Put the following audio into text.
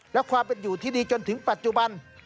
และความเป็นอยู่ที่ดีจนถึงปัจจุบัน